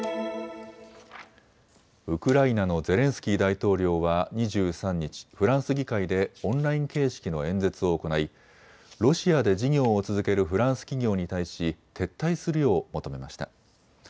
ウクライナのゼレンスキー大統領は２３日、フランス議会でオンライン形式の演説を行いロシアで事業を続けるフランス企業に対し撤退するよう求めました。